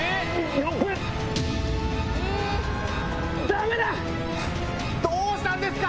ダメだ！